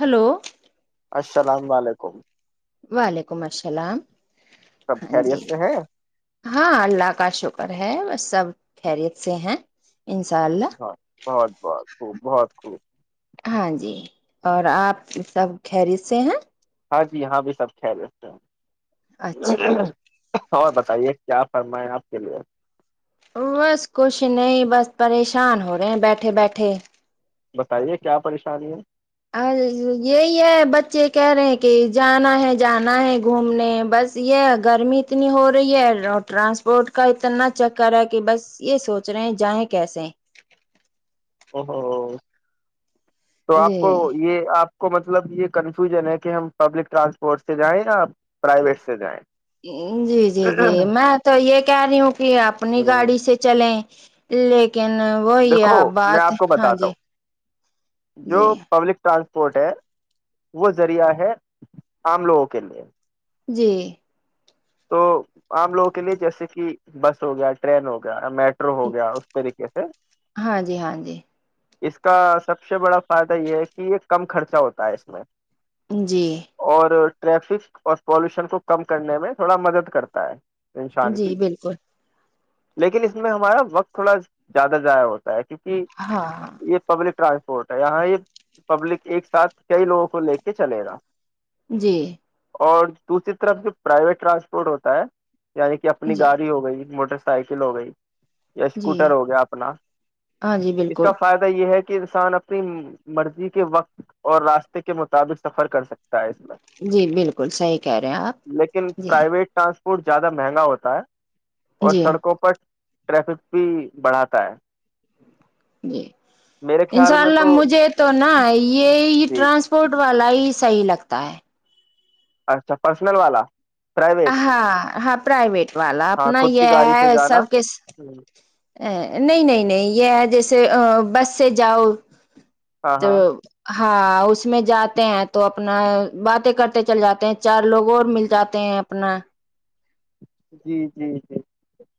hello السلام علیکم وعلیکم السلام سب ہاں جی خیریت سے ہیں ہاں اللہ کا شکر ہے بس [unintelligible] سب خیریت سے ہیں انشاء ب اللہ بہت بہت [unintelligible] خوب بہت خوب [unintelligible] ہاں جی اور آپ سب خریست سے ہیں ہاں جی یہاں بھی سب کھہل جتے اچھا ہیں اور بتائیے [unintelligible] کیا فرمائیں آپ کے لیے بس کچھ نہیں بس پریشان ہو رہے ہیں بیٹھے بیٹھے بتائیے کیا پریشانی ہے یہی ہے بچے کہہ رہے ہیں کہ جانا ہے جانا ہے گھومنے بس یہ گرمی اتنی ہو رہی ہے اور ٹرانسپورٹ کا اتنا چکر ہے کہ بس یہ سوچ رہے ہیں جائیں کیسے اوو [unintelligible] تو آپ کو جی یہ آپ کو مطلب یہ کنفیوژن ہے کہ ہم پبل رانسپورٹ سے جائیں یا پرائیویٹ سے جائیں جی جی جی میں تو یہ کہہ رہی ہوں کہ اپنی ہ گاڑی سے چلیں [unintelligible] [inaudible] وہی دیکھو میں بات آپ کو ہاں بتاتا جی ہوں جو جی پبلک ٹرانسپورٹ پورٹ ہے وہ ذریعہ ہے عام لوگوں کے لیے جی تو عام لوگوں کے لیے جیسے کہ بس ہو گیا ٹرین ہو گیا میٹرو ہو گیا اس طریقے سے ہاں جی ہاں جی اس کا سب سے بڑا فائدہ یہ ہے کہ یہ کم خرچہ ہوتا ہے اس میں جی اور [unintelligible] ٹریفک اور پالوشن کو کم کرنے میں تھوڑا مدد کرتا ہے انسان جی کی بالکل لیکن اس میں ہمارا وقت تھوڑا زیادہ ضائع ہوتا کیونکہ ہاں ہاں یہ پبلک ٹرانسپ [unintelligible] پٹ ہے یہاں یہ پبلک ایک ساتھ کئی لوگوں کو لے کے چلے گا [unintelligible] جی اور دوسری طرف جو پرائیویٹ [unintelligible] ٹرانسپورٹ ہوتا ہے [unintelligible] یعنی کہ اپنی جی گاڑی ہو گئی موٹر سائیکل ہو گئی یا جی اسکوٹر ہو گیا اپنا ہاں جی اس کا بالکل فائدہ یہ ہے کہ کہ انسان اپنی مرضی کے وقت اور راستے کے مطابق سفر کر سکتے جی بالکل صحیح کہہ رہے ہیں آپ لیکن ج پرائیویٹ ٹاسک اور زیادہ مہنگا ہوتا ہے اور جی سڑکوں پر ٹریفک بھی بڑھاتا ہے جی میرے ان خیال شاء میں اللہ تو مجھے تو نا یہ جی ٹرانسپورٹ والا ہی صحیح لگتا [unintelligible] تا [unintelligible] اچھا پرسنل والا پرائیویٹ ہاں ہاں پرائیویٹ والا ہاں اپنا خود کی یہ گاڑی سے ہے جانا سب ک نہیں نہیں نہیں یہ جیسے بس سے جاؤ ہاں تو ہاں [unintelligible] ہاں اس میں جاتے ہیں تو اپنا باتیں کرتے چل جاتے ہیں چار لوگ اور مل جاتے ہیں اپنا [unintelligible] [inaudible]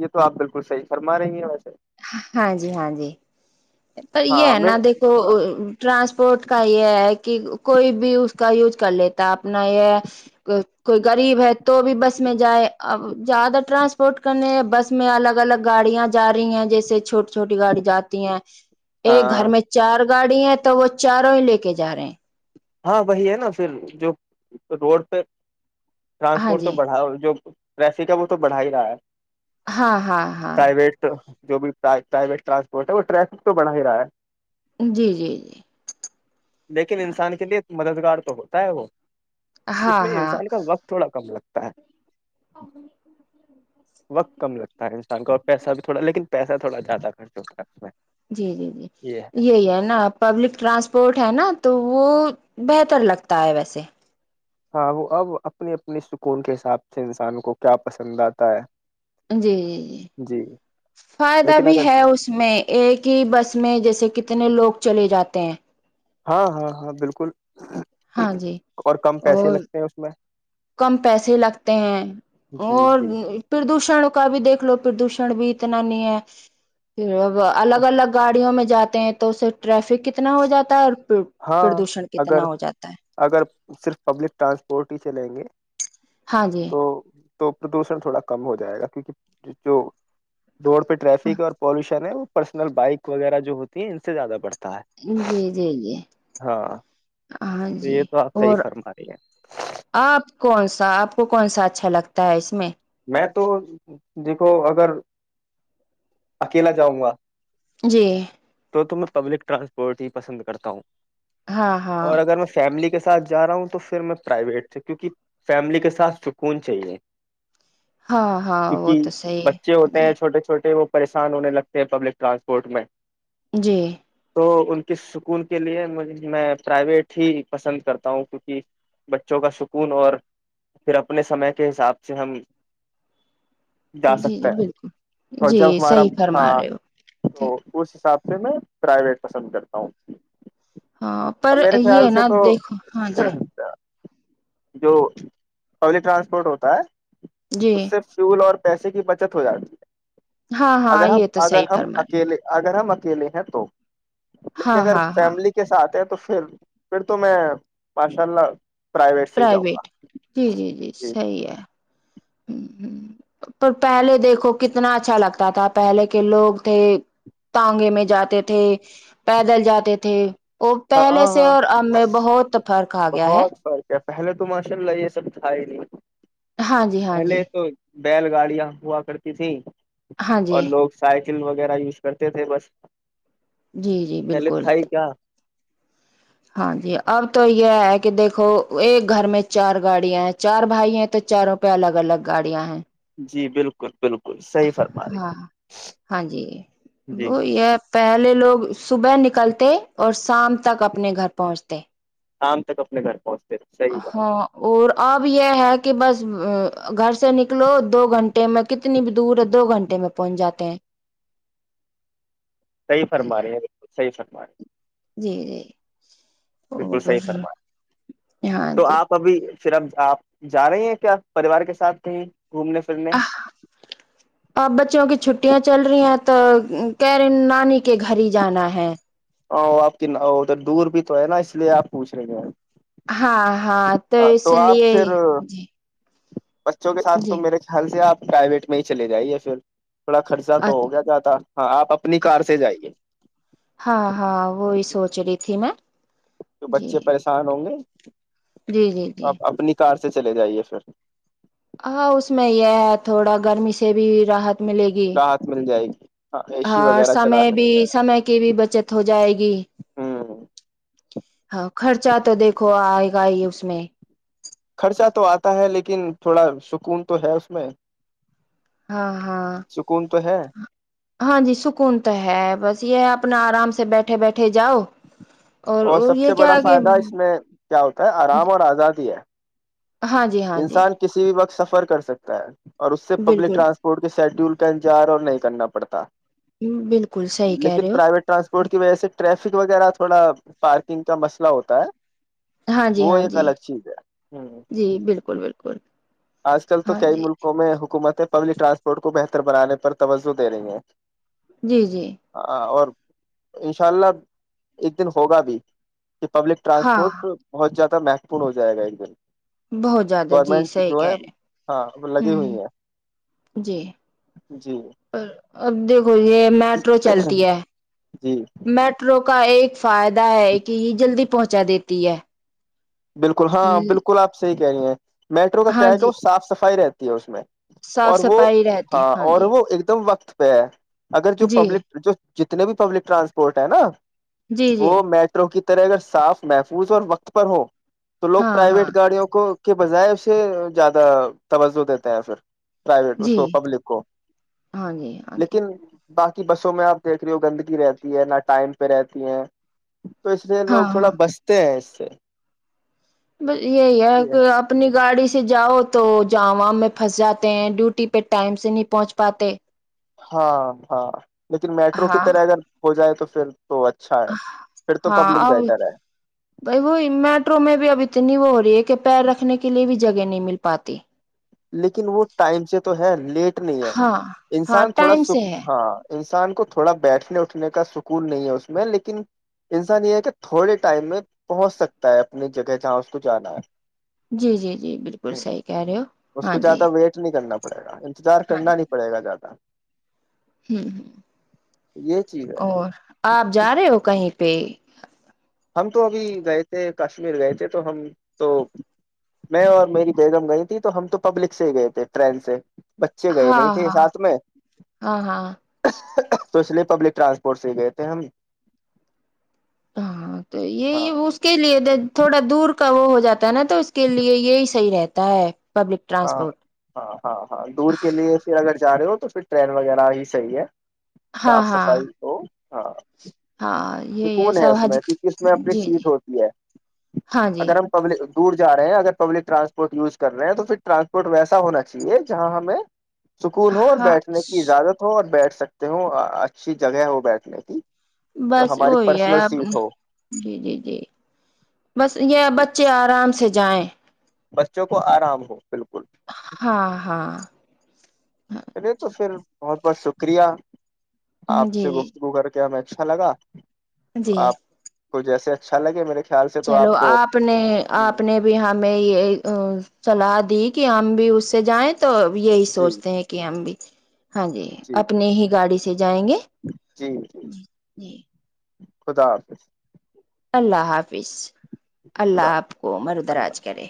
یہ تو آپ بالکل صحیح فرما رہی ہیں ویسے ہاں جی ہاں جی پر یہ ہاں ہے میں نا دیکھو ٹرانسپورٹ کا یہ ہے کہ کوئی بھی اس کا یوز [unintelligible] کر لیتا اپنا یہ کوئی غریب ہے تو بھی بس میں جائے اب زیادہ ٹرانسپورٹ کرنے بس میں الگ الگ گاڑیاں جا رہی ہیں جیسے چھوٹی چھوٹی گاڑی جاتی ہیں [inaudible] ایک گھر ہاں میں چار گاڑی ہے تو وہ چاروں ہی لے کے جا رہے ہیں ہاں وہی ہے نا پھر جو روڈ پہ ہاں ٹرانسپورٹ تو جی بڑھا اور جو رریسی کا وہ تو بڑھا ہی رہا ہے ہاں ہاں ہاں پرائیویٹ جو بھی پرویٹ ٹرانسپورٹ ہے وہ ٹریفک تو بنا ہی رہا ہے جی جی جی لیکن ہاں انسان جی کے لیے مددگار تو ہوتا ہے وہ ہاں اس میں انسان کا وقت تھوڑا کم لگتا ہ [unintelligible] ا [unintelligible] وقت کم لگتا ہے انسان کو اور پیسہ بھی تھوڑا لیکن پیسہ تھوڑا زیادہ خرچ ہوتا ہے اس میں جی جی جی یہی ہے نا پبلک ٹرانسپورٹ ہے نا تو وہ بہتر لگتا ہے ویسے ہاں وہ اب اپنی اپنی سکون کے حساب سے انسان کو کیا پسند آتا ہے جی جی جی فائدہ لیکن بھی اگر ہے اس میں ایک ہی بس میں جیسے کتنے اتنے لوگ چلے جاتے ہیں ہاں ہاں ہاں بالکل ہاں [unintelligible] جی اور کم پیسے اور لگتے ہیں اس میں کم پیسے لگتے ہیں جی اور جی پردوشن کا بھی دیکھ لو پردوشن بھی اتنا نہیں ہے پھر [unintelligible] وہ الگ الگ گاڑیوں میں جاتے ہیں تو اسے ٹریفک [unintelligible] کتنا ہو جاتا ہے اور ہاں پردوشن اگر کتنا ہو جاتا ہے اگر صرف پبلک ٹرانسپورٹ ہی چلیں گے ہاں جی تو تو پردوشن تھوڑا کم ہو جائے گا کیونکہ جو روڈ پہ ٹریفک اور پالوشن ہے وہ پرسنل بائک وغیرہ جو ہوتی ہے ان سے زیادہ بڑتا جی جی ہاں ہاں تو جی یہ تو آپ صحیح اور فرما رہی ہیں آپ کون سے تو آپ کو کون سا اچھا لگتا ہے اس میں میں تو دیکھو اگر اکیلا جاؤں گا جی تو تو میں پبلک ٹرانسپورٹ ہی پسند کرتا ہوں ہاں ہاں اور اگر میں فیملی کے ساتھ جا رہا ہوں تو پھر میں پرائیویٹ سے کیونکہ فیملی کے ساتھ سکون چاہیے ہاں ہاں وہ کیونکہ تو صحیح بچے ہے ہوتے جی ہیں چھوٹے چھوٹے وہ پریشان ہونے لگتے ہیں پبلک ٹرانسپورٹ میں جی تو ان کی سکون کے لیے مج میں پرائیویٹ ہی پسند کرتا ہوں کیونکہ بچوں کا سکون اور پھر اپنے سمے کے حساب چ ہم ہم [inaudible] جا جی سکتا جی ہے بالکل اور جی جب ہمارا صحیح فرما رہے ہو وہ اس حساب سے سے میں پرائیویٹ پسند کرتا ہوں ہاں پر اور میرے یہ خیال سے نا تو دیکھو ہاں جی [unintelligible] جو پبلک ٹرانسپورٹ ہوتا ہے جی اس سے سول اور پیسے کی بچت ہو جاتی ہے ہاں ہاں اگر ہم یہ تو اگر صحیح ہم فرما رہے اکیلے اگر ہم کےلے ہیں تو لیکن ہاں اگر ہاں ہاں فیملی کے ساتھ ہے تو تو پھر پھر تو میں ماشاء اللہ پرائیویٹ سے ہی جاؤں گا پرائیویٹ جی جی جی صحیح ہے ہ ہ پر پہلے دیکھو کتنا اچھا لگتا تھا پہلے کے لوگ تھے تٹانگے میں جاتے تھے پیدل جاتے تھے وہ ہاں پہلے ہاں سے ہاں اور اب میں بہت فرق آ گیا ہے بہت فرق ہے پہلے تو ماشاء اللہ یہ سب تھا ہی نہیں ہاں جی ہاں جی پہلے تو بیل گاڑیاں ہوا کرتی تھی ہاں اور جی لوگ شاید ل وغیرہ یوز کرتے تھے بس جی جی پہلے بالکل تھا ہی کیا ہاں جی اب تو یہ ہے کہ دیکھو ایک گھر میں چار گاڑیاں ہیں چار بھائی ہیں تو چاروں پہ الگ الگ گاڑیاں ہیں جی بالکل بالکل صحیح فرما رہی ہاں ہاں جی ہے جی وہی ہے پہلے لوگ صبح نکلتے اور شام تک اپنے گھر پہنچتے شام تک اپنے گھر پہنچتے تھے صحیح بات ہاں اور اب یہ ہے کہ بس گھر سے نکلو دو گھنٹے میں کتنی بھی دور ہے دو گھنٹے میں پہنچ جاتے ہیں صحی فرم رہے ہیں بالکلح فرما بائے جی جی بالکل صحیح اور فرما ہاں تو جی آپ ابھی شرب آپ جا رہے ہیں کیا پریوار کے ساتھ کہیں گھومنے پھرنے اور بچوں کی چھٹیاں چل رہی ہیں تو کیرین نانی کے گھر ہی جانا ہے ا آپ کی ادھر دور بھی تو ہے نا اس لیے آپ پوچھ رہے ہیں ہیں ہاں ہاں تو اس لیے جی بچوں کے ساتھ تو جی میرے خیال سے آپ پرائیویٹ میں ہی چلے جائی پھر تھوڑا خرچہ تو ہو گیا ج تھا ہاں آپ اپنی کار سے جائیے اچھا ہاں ہاں وہی سوچ رہی تھی میں تو جی بچے پریشان ہوں گے جی جی تو جی آپ اپنی کار سے چلے جائیے پھر ہاں اس میں یہ ہے تھوڑا گرمی سے بھی رحت ملے گی راحت مل جائے گی ہاں اے سی اوراں وغیرہ چلا سمے بھی سکتے سمے کی بھی بچت ہو جائے گی ہیں ہ ہاں خرچہ تو دیکھو آئے گا ہی اس میں خرچہ تو آتا ہے لیکن تھوڑا سکون تو ہے اس میں ہاں ہاں سکون تو ہے ہاں جی سکون تو ہے بس یہ اپنا آرام سے بیٹھے بیٹھے جاؤ اور سب یہ سے بڑا کیا کہ فائدہ اس میں کیا ہوتا ہے آرام اور آزادی ہے ہاں جی ہاں جی انسان کسی بھی وقت سف سفر کر سکتا ہے اور اس سے پبلک بالکل ٹرانسپورٹ کے شیڈیول کا انتظار اور نہیں کرنا پڑتا ہ بالکل سحی کہہ رہے ہو روڈ کی وجہ سے ٹریفک وغیرہ تھوڑا پارکنگ کا مسئلہ ہوتا ہے ہاں جی وہ ہاں ایک جی الگ چیز ہے ہ جی بالکل بالکل کوک آج کل تو کئی ملکوں میں حکومت پبلک ٹرانسپورٹ کو بہتر بنانے پر توجہ دے رہیں گے جی جی ہاں اور انشاء اللہ ایک دن ہوگا بھی پبلک ہاں رانسپورٹ بہت زیادہ مہوپورن ہو جائے گ ایک دن بہت زیادہ جی گورنمنٹ صحیح جو ہے ے ہاں ہ لگی ہ ہوئی ہیں جی جی پر اب دیکھو یہ میٹرو چلتی ہے جی میٹرو کا ایک فائدہ ہے کہ یہ جلدی پہنچا دیتی ہے بالکل ہاں بالکل آپ سےحی کیا ہے میٹرو کا ہاں کیا ہے کہ جی وہ صاف صفائی رہتی اس میں صاف اور وہ صفائی رہتی ہاں اور جی وہ ایک دم وقت پ [unintelligible] اگر جو جی پبلک جو جتنے بھی پبلک ٹرانسپورٹ ہے نا جی جی وہ میٹرو کی رح اگر صاف محفوظ اور وقت پر ہو تو لوگ ہاں ہاں پرائیویٹ گاڑیوں کو کے بجائے اسے زیادہ توجہ دیتا ہے پھر پرائیویٹ اس جی کو پبلک کو ہاں جی ہاں جی لیکن باقی بسوں میں آپ دیکھ رہے ہو گندگی رہتی ہے نہ ٹائم پہ رہتی ہیں تو اس سے ہاں لوگ تھوڑا ہاں بستے ہیں سے بس یہی ہے کہ اپنی گاڑی سے سے جاؤ تو جو عوام میں پھنس جاتے ہیں ڈیوٹی پہ ٹائم سے نہیں پہنچ پاتے ہاں ہاں لیکن میٹرو کی ہاں طرح اگر ہو جائے تو سپ ہاں اب بیٹر ہے بائی وہی میٹرو میں بھی اب اتنی وہ ہو رہی کے پیر رکھنے کے لیے بھی ج جگہ نہیں مل پاتی لیکن وہ ٹائم سے تو ہے لیٹ نہیں ہے ہاں ہاں انسان تھوڑا ٹائم سے سک ہے ہاں انسان کو تھوڑا بیٹھنے اٹھنے کا سکون نہیں ہے اس میں لیکن انسان یہ ہے کہ تھوڑے ٹائم میں پہنچ سکتا ہے اپنی جگہ جہاں اس کو جانا ہے جی جی جی بالکل ہ صحیح کہہ رہے ہو اس ہاں کو جی زیادہ ویٹ نہیں کرنا پڑے گا انتظار ہاں کرنا نہیں پڑے گا زیادہ ہ ہ یہ چیز ہے اور آپ جا رہے ہو کہیں پ ہم تو ابھی گئے تھے کشمیر گئے تھے تو ہم تو میں اور میری بیگم گئی تھی تو ہم تو پبلک سے ہی گئے تھے ٹرین سے بچے گئے ہاں نہیں تھے ہاں ساتھ میں ہاں ہاں تو اس لیے پبلک ٹرانسپورٹ سے ہی گئے تھے ہم ہاں تو ہاں یہ اس کے لیے د تھوڑا دور کا وہ ہو جاتا ہے نا تو اس کے لیے یہی صحیح رہتا ہے پبلک ہاں ٹرانسپورٹ ہاں ہاں ہاں دور کے لیے پھر اگر جا رہے ہو تو پھر ٹرین وغیرہ ہی صحی ہے ہاں صاف ہاں صفائی تو ہاں ہاں یہ یہ سکون ہے سب اس حج میں کہ کس میں اپنی جی جی سیٹ ہوتی ہے ہاں جی اگر ہم پبلک دور ا رہے ہیں اگر پبلک ٹرانسپورٹ یوز کر رہے ہیں تو پھر ٹرانسپورٹ ویسا ہونا چاہیے جہاں ہمیں سکون ہو اور ہاں بیٹھنے کی اجازت ہو اور بیٹھ سکتے ہوں اچھی جگہ ہو بیٹھنے کی بس ہماری وہی ہے پرسنل سیٹ ہو جی جی جی بس یہ بچے آرام سے جائیں بچوں کو آرام ہو بالکل ہاں ہاں چلے تو پھر بہت بہت شکریہ آپ جی سے گفتگو کر کے میں اچھا لگا جی آپ کو جیسے اچھا لگے میرے خیال سے تو چلو کو آپ نے جی آپ نے بھی ہمیں یہ صلاح دی کہ ہم بھی اس سے جائیں تو یہی جی سوچتے ہیں کہ ہم بھی ہاں جی اپنی ہی گاڑی سے جائیں گے جی جی خدا حافظ اللہ حافظ اللہ خدا آپ کو عمر اللہ دراز کرے